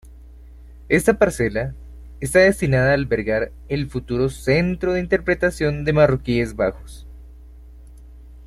Esta parcela está destinada a albergar el futuro Centro de Interpretación de Marroquíes Bajos.